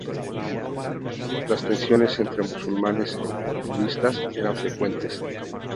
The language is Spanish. Las tensiones entre musulmanes e hinduistas eran frecuentes.